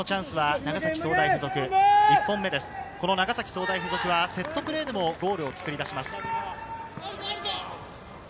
長崎総科大附属はセットプレーでもゴールを作り出します。